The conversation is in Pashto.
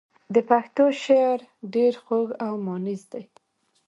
د پښتو شعر ډېر خوږ او مانیز دی.